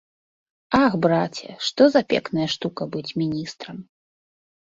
Ах, браце, што за пекная штука быць міністрам!